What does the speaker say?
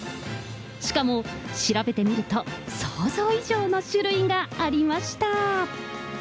しかも、調べてみると、想像以上の種類がありました。